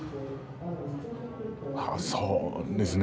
そうですね